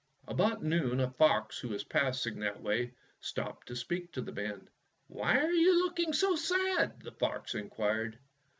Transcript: About noon a fox who was passing that way stopped to speak to the man. '' Why are you looking so sad?" the fox inquired.